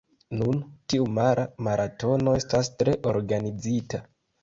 Nun, tiu mara maratono estas tre organizita.